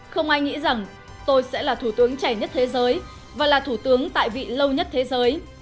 không ai nghĩ rằng tôi sẽ là thủ tướng trẻ nhất thế giới và là thủ tướng tại vị lâu nhất thế giới